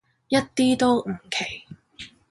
一啲都唔奇